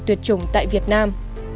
tuyệt chủng tại việt nam